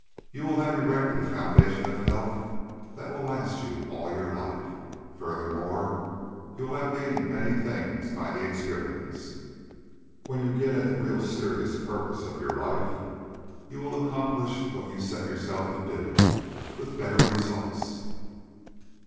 You will have erected a foundation of health that will last you all your life. Furthermore, you will have gained many things by the experience, When you get at the real serious purpose of your life, you will accomplish what you set yourself to do, with better results."